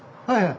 はい。